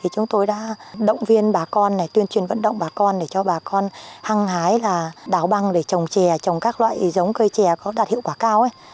chúng tôi đã động viên bà con tuyên truyền vận động bà con để cho bà con hăng hái là đáo băng để trồng chè trồng các loại giống cây chè có đạt hiệu quả cao